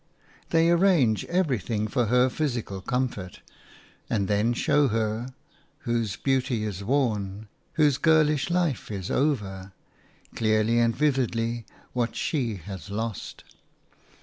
They arrange everything for her physical comfort, and then show her – whose beauty is worn, whose girlish life is over – clearly and vividly what she has lost.